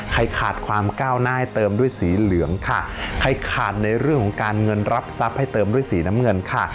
ให้ขาดความก้าวหน้าให้เติมด้วยสีเหลืองค่ะให้ขาดในเรื่องของการเงินรับทรัพย์ให้เติมด้วยสีน้ำเงินค่ะ